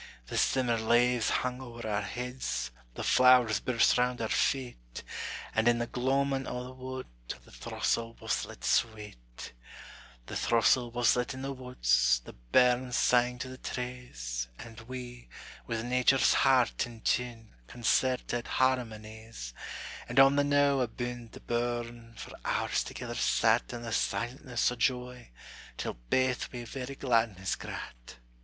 The simmer leaves hung ower our heads, The flowers burst round our feet, And in the gloamin' o' the wood The throssil whusslit sweet; The throssil whusslit in the woods, The burn sang to the trees, And we, with nature's heart in tune, Concerted harmonies; And on the knowe abune the burn, For hours thegither sat In the silentness o' joy, till baith Wi' very gladness grat.